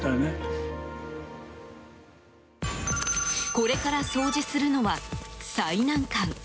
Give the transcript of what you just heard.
これから掃除するのは最難関。